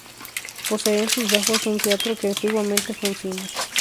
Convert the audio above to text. Posee en sus bajos un teatro que antiguamente fue un cine.